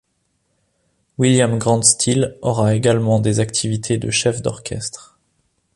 William Grant Still aura également des activités de chef d'orchestre.